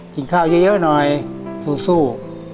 กินข้าวเยอะหน่อยสู้